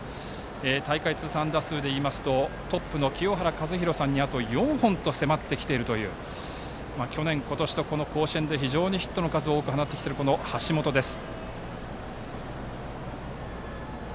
大会通算安打数でいいますとトップの清原和博さんにあと４本と迫ってきているという去年、今年と甲子園でヒットの数を多く放ってきているこの橋本です。